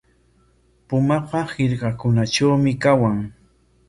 Pumaqa hirkakunatrawmi kawan.